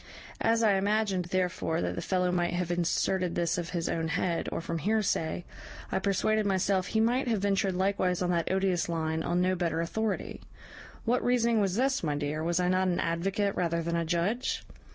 As I imagined, therefore, that the fellow must have inserted this of his own head, or from hearsay, I persuaded myself he might have ventured likewise on that odious line on no better authority. What reasoning was this, my dear? was I not an advocate rather than a judge?